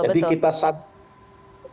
jadi kita sadar